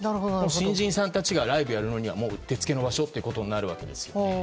新人さんたちがライブをやるには打ってつけの場所となるわけです。